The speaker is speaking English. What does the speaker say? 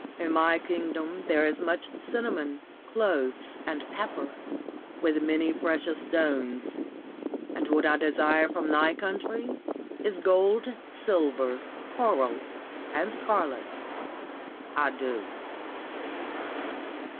In my kingdom there is much cinnamon, cloves, and pepper, with many precious stones, and what I desire from thy country is gold, silver, coral, and scarlet. Adieu."